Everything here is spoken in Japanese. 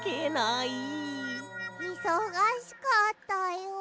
いそがしかったよ。